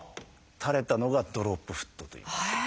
垂れたのが「ドロップフット」という。